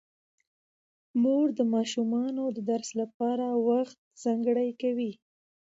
مور د ماشومانو د درس لپاره وخت ځانګړی کوي